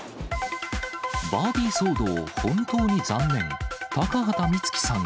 バービー騒動、本当に残念。